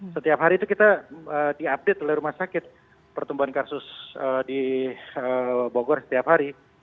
setiap hari itu kita diupdate oleh rumah sakit pertumbuhan kasus di bogor setiap hari